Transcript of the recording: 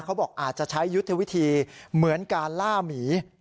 เขาบอกอาจจะใช้ยุทธวิธีเหมือนการล่าหมี